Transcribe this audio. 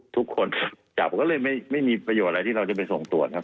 ทุกคนจับก็เลยไม่มีประโยชน์อะไรที่เราจะไปส่งตรวจครับ